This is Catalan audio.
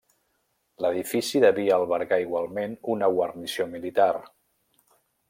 L'edifici devia albergar igualment una guarnició militar.